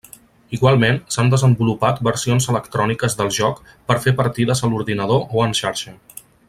Igualment, s'han desenvolupat versions electròniques del joc per fer partides a l'ordinador o en xarxa.